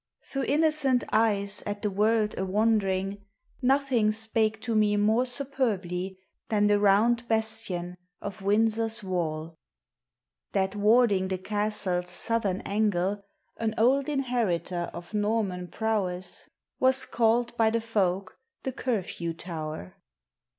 Thro' innocent eyes at the world awond'ring Nothing spake to me more superbly Than the round bastion of Windsor's wall That warding the Castle's southern angle An old inheritor of Norman prowess Was call'd by the folk the Curfew Tow'r.